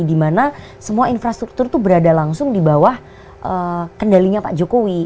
dimana semua infrastruktur itu berada langsung di bawah kendalinya pak jokowi